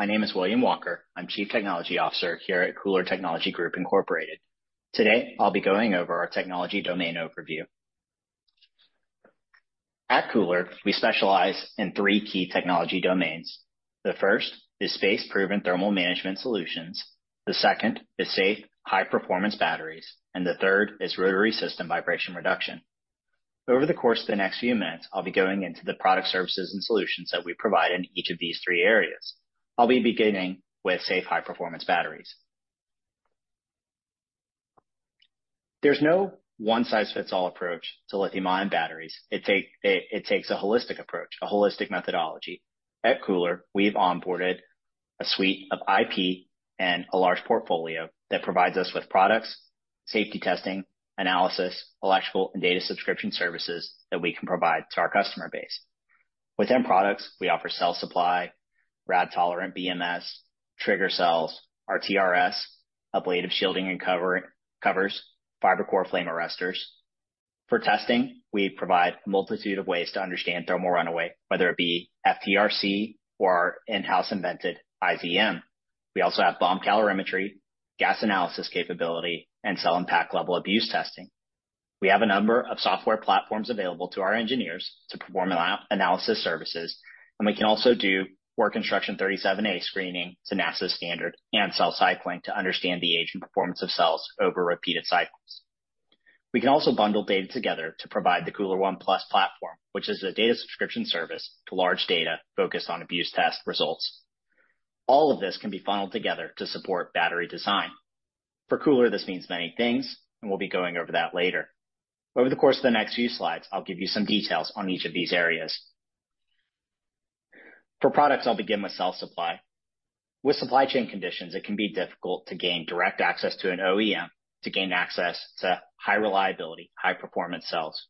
My name is William Walker. I'm Chief Technology Officer here at KULR Technology Group, Incorporated. Today, I'll be going over our technology domain overview. At KULR, we specialize in three key technology domains. The first is space-proven thermal management solutions. The second is safe, high-performance batteries. And the third is rotary system vibration reduction. Over the course of the next few minutes, I'll be going into the product services and solutions that we provide in each of these three areas. I'll be beginning with safe, high-performance batteries. There's no one-size-fits-all approach to lithium-ion batteries. It takes a holistic approach, a holistic methodology. At KULR, we've onboarded a suite of IP and a large portfolio that provides us with products, safety testing, analysis, electrical, and data subscription services that we can provide to our customer base. Within products, we offer cell supply, rad-tolerant BMS, trigger cells, our TRS, ablative shielding and covers, fiber core flame arresters. For testing, we provide a multitude of ways to understand thermal runaway, whether it be FTRC or our in-house invented IZM. We also have bomb calorimetry, gas analysis capability, and cell and pack level abuse testing. We have a number of software platforms available to our engineers to perform analysis services, and we can also do work instruction 37A screening to NASA standard and cell cycling to understand the age and performance of cells over repeated cycles. We can also bundle data together to provide the KULR ONE Plus platform, which is a data subscription service to large data focused on abuse test results. All of this can be funneled together to support battery design. For KULR, this means many things, and we'll be going over that later. Over the course of the next few slides, I'll give you some details on each of these areas. For products, I'll begin with cell supply. With supply chain conditions, it can be difficult to gain direct access to an OEM to gain access to high-reliability, high-performance cells.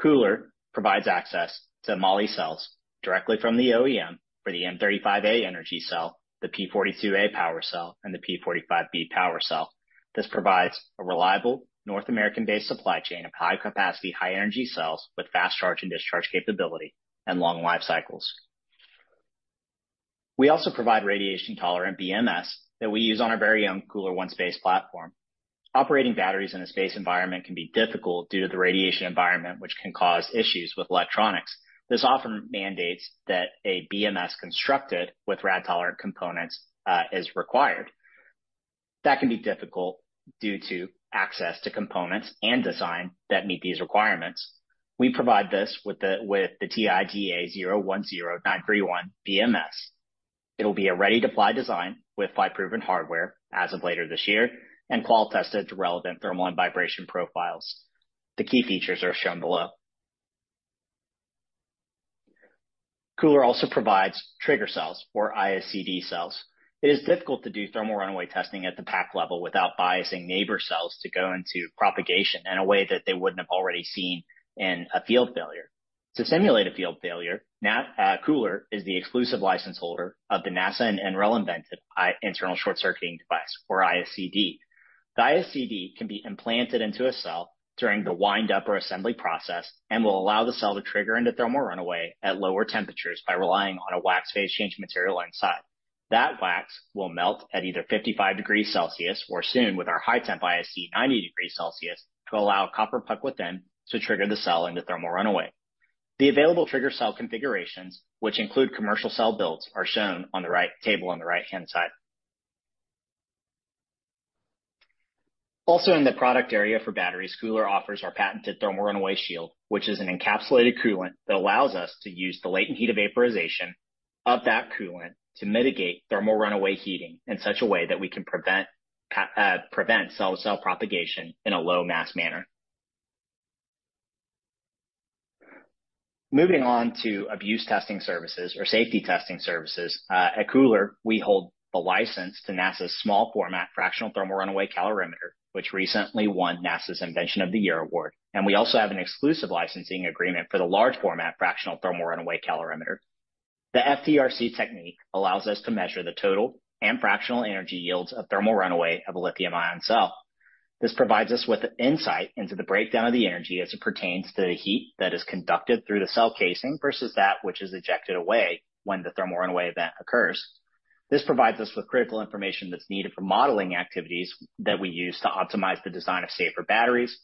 KULR provides access to Moli cells directly from the OEM for the M35A energy cell, the P42A power cell, and the P45B power cell. This provides a reliable North American-based supply chain of high-capacity, high-energy cells with fast charge and discharge capability and long life cycles. We also provide radiation-tolerant BMS that we use on our very own KULR ONE Space platform. Operating batteries in a space environment can be difficult due to the radiation environment, which can cause issues with electronics. This often mandates that a BMS constructed with rad-tolerant components is required. That can be difficult due to access to components and design that meet these requirements. We provide this with the TIDA-010931 BMS. It'll be a ready-to-apply design with flight-proven hardware as of later this year and qual-tested to relevant thermal and vibration profiles. The key features are shown below. KULR also provides trigger cells or ISCD cells. It is difficult to do thermal runaway testing at the pack level without biasing neighbor cells to go into propagation in a way that they wouldn't have already seen in a field failure. To simulate a field failure, KULR is the exclusive license holder of the NASA and NREL invented internal short-circuiting device or ISCD. The ISCD can be implanted into a cell during the winding or assembly process and will allow the cell to trigger into thermal runaway at lower temperatures by relying on a wax phase change material inside. That wax will melt at either 55 degrees Celsius or soon with our high-temp ISCD 90 degrees Celsius to allow copper puck within to trigger the cell into thermal runaway. The available trigger cell configurations, which include commercial cell builds, are shown on the right table on the right-hand side. Also, in the product area for batteries, KULR offers our patented thermal runaway shield, which is an encapsulated coolant that allows us to use the latent heat of vaporization of that coolant to mitigate thermal runaway heating in such a way that we can prevent cell-cell propagation in a low-mass manner. Moving on to abuse testing services or safety testing services, at KULR, we hold the license to NASA's small-format fractional thermal runaway calorimeter, which recently won NASA's Invention of the Year award, and we also have an exclusive licensing agreement for the large-format fractional thermal runaway calorimeter. The FTRC technique allows us to measure the total and fractional energy yields of thermal runaway of a lithium-ion cell. This provides us with insight into the breakdown of the energy as it pertains to the heat that is conducted through the cell casing versus that which is ejected away when the thermal runaway event occurs. This provides us with critical information that's needed for modeling activities that we use to optimize the design of safer batteries.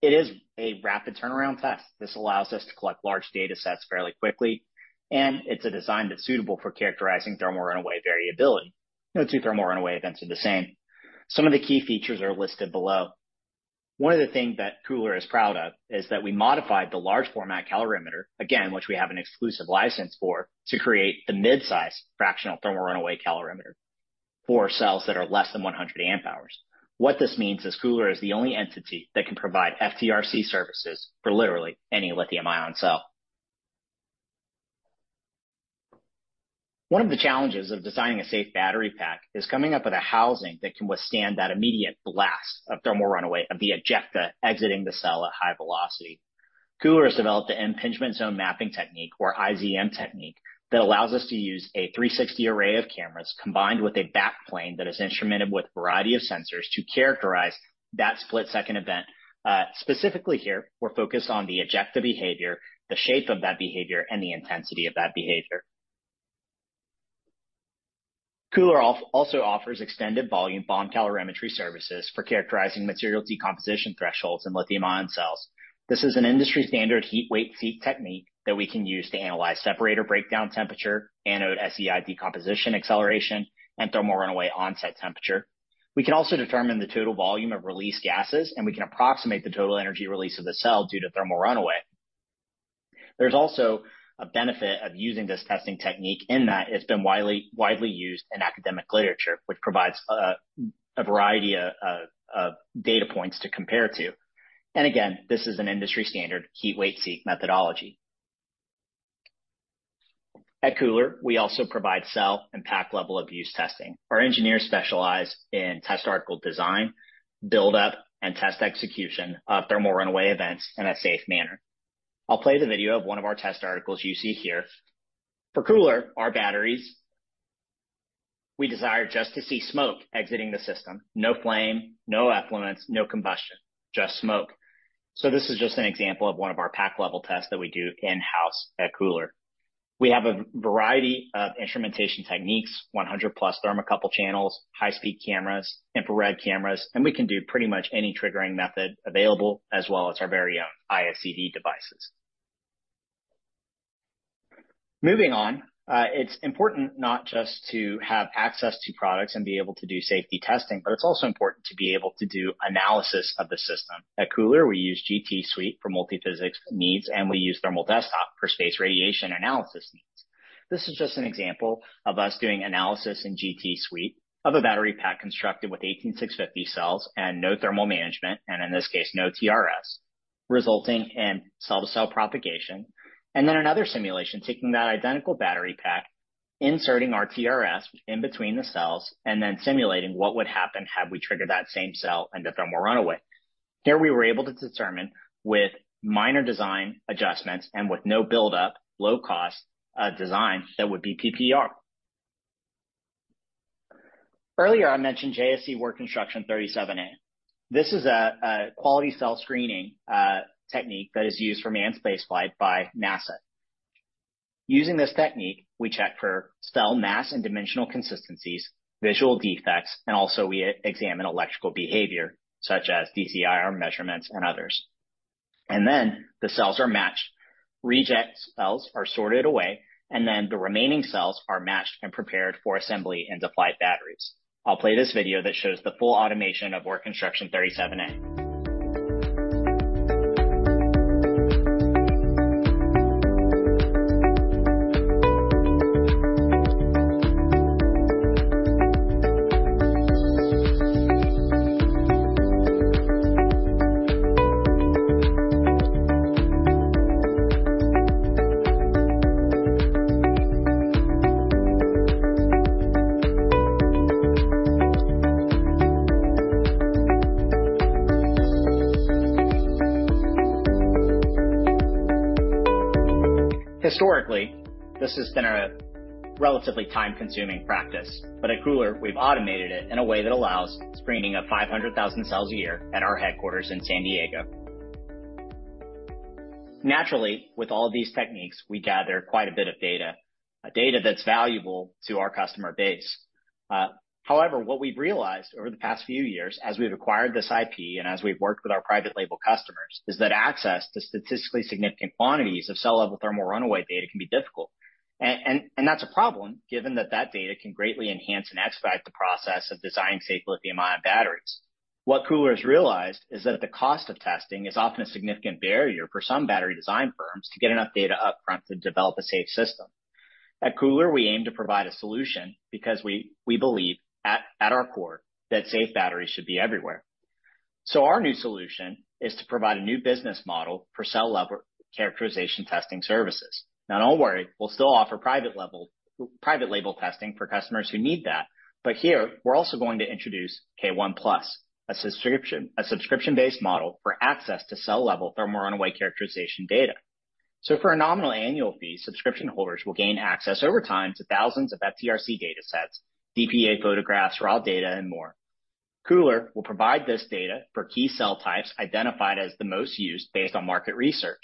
It is a rapid turnaround test. This allows us to collect large data sets fairly quickly. And it's a design that's suitable for characterizing thermal runaway variability. No two thermal runaway events are the same. Some of the key features are listed below. One of the things that KULR is proud of is that we modified the large-format calorimeter, again, which we have an exclusive license for, to create the mid-size fractional thermal runaway calorimeter for cells that are less than 100 amp hours. What this means is KULR is the only entity that can provide FTRC services for literally any lithium-ion cell. One of the challenges of designing a safe battery pack is coming up with a housing that can withstand that immediate blast of thermal runaway of the ejecta exiting the cell at high velocity. KULR has developed an impingement zone mapping technique or IZM technique that allows us to use a 360 array of cameras combined with a backplane that is instrumented with a variety of sensors to characterize that split-second event. Specifically here, we're focused on the ejecta behavior, the shape of that behavior, and the intensity of that behavior. KULR also offers extended volume bomb calorimetry services for characterizing material decomposition thresholds in lithium-ion cells. This is an industry-standard heat weight loss technique that we can use to analyze separator breakdown temperature, anode SEI decomposition acceleration, and thermal runaway onset temperature. We can also determine the total volume of released gases, and we can approximate the total energy release of the cell due to thermal runaway. There's also a benefit of using this testing technique in that it's been widely used in academic literature, which provides a variety of data points to compare to. Again, this is an industry-standard heat weight loss methodology. At KULR, we also provide cell and pack level abuse testing. Our engineers specialize in test article design, buildup, and test execution of thermal runaway events in a safe manner. I'll play the video of one of our test articles you see here. For KULR, our batteries, we desire just to see smoke exiting the system. No flame, no effluence, no combustion, just smoke. So this is just an example of one of our pack-level tests that we do in-house at KULR. We have a variety of instrumentation techniques, 100-plus thermocouple channels, high-speed cameras, infrared cameras, and we can do pretty much any triggering method available, as well as our very own ISCD devices. Moving on, it's important not just to have access to products and be able to do safety testing, but it's also important to be able to do analysis of the system. At KULR, we use GT-SUITE for multiphysics needs, and we use Thermal Desktop for space radiation analysis needs. This is just an example of us doing analysis in GT-SUITE of a battery pack constructed with 18650 cells and no thermal management, and in this case, no TRS, resulting in cell-to-cell propagation, and then another simulation taking that identical battery pack, inserting our TRS in between the cells, and then simulating what would happen had we triggered that same cell into thermal runaway. Here we were able to determine with minor design adjustments and with no buildup, low-cost design that would be PPR. Earlier, I mentioned JSC Work Instruction 37A. This is a quality cell screening technique that is used for manned spaceflight by NASA. Using this technique, we check for cell mass and dimensional consistencies, visual defects, and also we examine electrical behavior such as DCIR measurements and others. And then the cells are matched. Reject cells are sorted away, and then the remaining cells are matched and prepared for assembly into flight batteries. I'll play this video that shows the full automation of Work Instruction 37A. Historically, this has been a relatively time-consuming practice, but at KULR, we've automated it in a way that allows screening of 500,000 cells a year at our headquarters in San Diego. Naturally, with all of these techniques, we gather quite a bit of data, data that's valuable to our customer base. However, what we've realized over the past few years as we've acquired this IP and as we've worked with our private label customers is that access to statistically significant quantities of cell-level thermal runaway data can be difficult, and that's a problem given that that data can greatly enhance and expedite the process of designing safe lithium-ion batteries. What KULR has realized is that the cost of testing is often a significant barrier for some battery design firms to get enough data upfront to develop a safe system. At KULR, we aim to provide a solution because we believe at our core that safe batteries should be everywhere, so our new solution is to provide a new business model for cell-level characterization testing services. Now, don't worry, we'll still offer private label testing for customers who need that. But here, we're also going to introduce K1 Plus, a subscription-based model for access to cell-level thermal runaway characterization data. So for a nominal annual fee, subscription holders will gain access over time to thousands of FTRC data sets, DPA photographs, raw data, and more. KULR will provide this data for key cell types identified as the most used based on market research.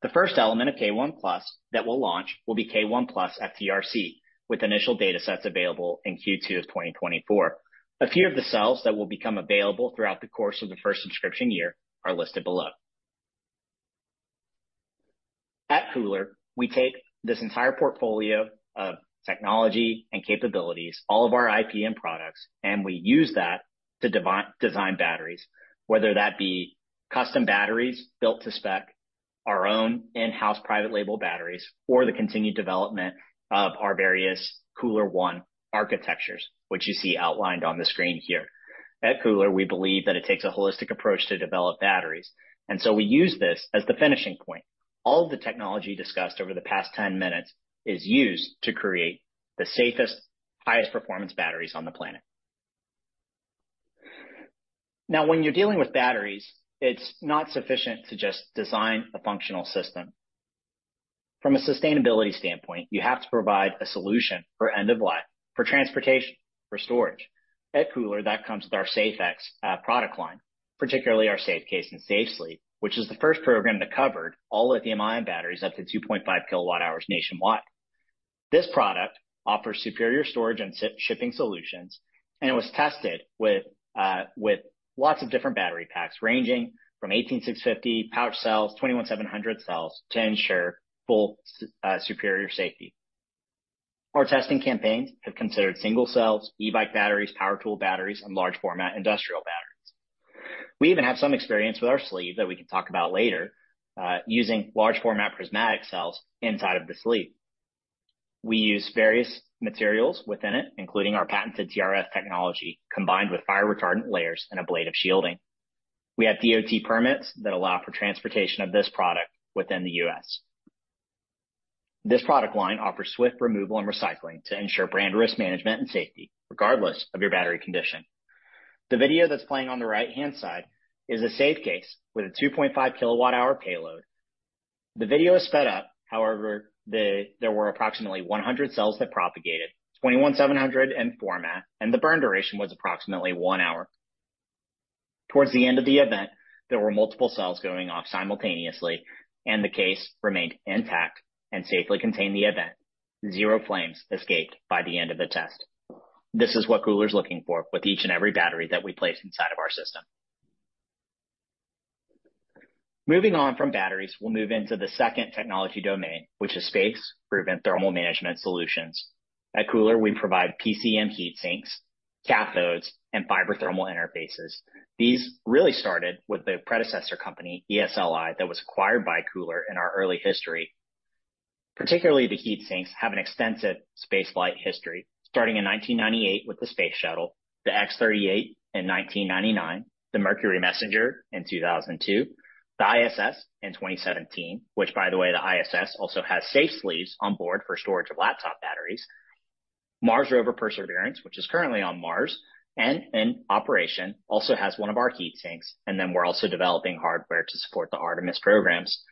The first element of K1 Plus that we'll launch will be K1 Plus FTRC with initial data sets available in Q2 of 2024. A few of the cells that will become available throughout the course of the first subscription year are listed below. At KULR, we take this entire portfolio of technology and capabilities, all of our IP and products, and we use that to design batteries, whether that be custom batteries built to spec, our own in-house private label batteries, or the continued development of our various KULR ONE architectures, which you see outlined on the screen here. At KULR, we believe that it takes a holistic approach to develop batteries, and so we use this as the finishing point. All of the technology discussed over the past 10 minutes is used to create the safest, highest-performance batteries on the planet. Now, when you're dealing with batteries, it's not sufficient to just design a functional system. From a sustainability standpoint, you have to provide a solution for end of life, for transportation, for storage. At KULR, that comes with our SafeX product line, particularly our SafeCASE and SafeSLEEVE, which is the first program that covered all lithium-ion batteries up to 2.5 kWh nationwide. This product offers superior storage and shipping solutions, and it was tested with lots of different battery packs ranging from 18650 pouch cells, 21700 cells to ensure full superior safety. Our testing campaigns have considered single cells, e-bike batteries, power tool batteries, and large-format industrial batteries. We even have some experience with our sleeve that we can talk about later using large-format prismatic cells inside of the sleeve. We use various materials within it, including our patented TRS technology combined with fire retardant layers and ablative shielding. We have DOT permits that allow for transportation of this product within the U.S. This product line offers swift removal and recycling to ensure brand risk management and safety regardless of your battery condition. The video that's playing on the right-hand side is a SafeCASE with a 2.5 kWh payload. The video is sped up. However, there were approximately 100 cells that propagated, 21700 in format, and the burn duration was approximately one hour. Towards the end of the event, there were multiple cells going off simultaneously, and the case remained intact and safely contained the event. Zero flames escaped by the end of the test. This is what KULR is looking for with each and every battery that we place inside of our system. Moving on from batteries, we'll move into the second technology domain, which is space-proven thermal management solutions. At KULR, we provide PCM heat sinks, cathodes, and fiber thermal interfaces. These really started with the predecessor company, ESLI, that was acquired by KULR in our early history. Particularly, the heat sinks have an extensive spaceflight history, starting in 1998 with the Space Shuttle, the X-38 in 1999, the Mercury MESSENGER in 2002, the ISS in 2017, which, by the way, the ISS also has SafeSLEEVE on board for storage of laptop batteries. Mars Rover Perseverance, which is currently on Mars and in operation, also has one of our heat sinks, and then we're also developing hardware to support the Artemis programs.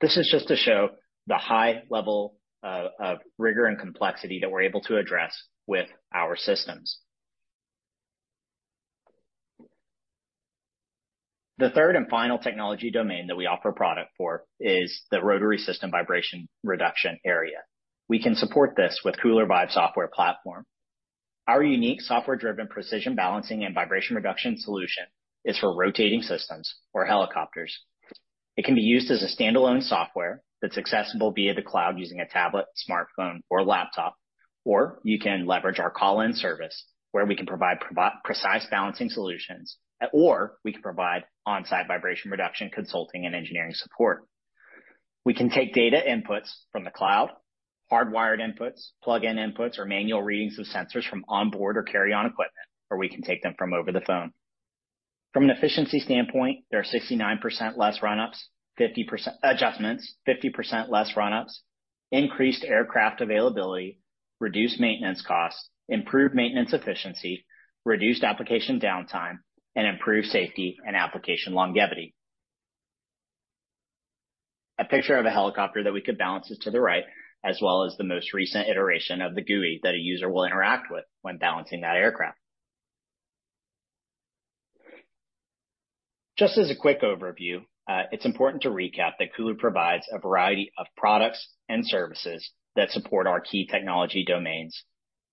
This is just to show the high level of rigor and complexity that we're able to address with our systems. The third and final technology domain that we offer product for is the rotary system vibration reduction area. We can support this with KULR VIBE software platform. Our unique software-driven precision balancing and vibration reduction solution is for rotating systems or helicopters. It can be used as a standalone software that's accessible via the cloud using a tablet, smartphone, or laptop, or you can leverage our call-in service where we can provide precise balancing solutions, or we can provide on-site vibration reduction consulting and engineering support. We can take data inputs from the cloud, hardwired inputs, plug-in inputs, or manual readings of sensors from onboard or carry-on equipment, or we can take them from over the phone. From an efficiency standpoint, there are 69% less run-ups, 50% adjustments, 50% less run-ups, increased aircraft availability, reduced maintenance costs, improved maintenance efficiency, reduced application downtime, and improved safety and application longevity. A picture of a helicopter that we could balance is to the right, as well as the most recent iteration of the GUI that a user will interact with when balancing that aircraft. Just as a quick overview, it's important to recap that KULR provides a variety of products and services that support our key technology domains.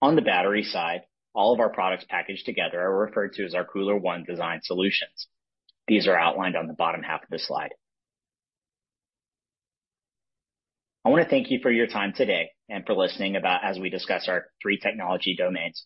On the battery side, all of our products packaged together are referred to as our KULR ONE design solutions. These are outlined on the bottom half of the slide. I want to thank you for your time today and for listening as we discuss our three technology domains.